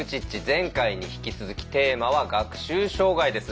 前回に引き続きテーマは「学習障害」です。